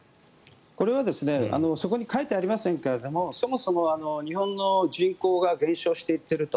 これはそこに書いてありませんがそもそも、日本の人口が減少していっていると。